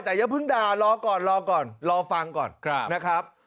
แต่อย่าเพิ่งด่ารอก่อนรอก่อนรอฟังก่อนนะครับ